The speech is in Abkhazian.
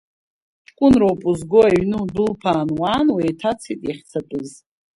Ҷкәынроуп узго аҩны удәылԥаан, уаан, уеиҭацеит иахьцатәым.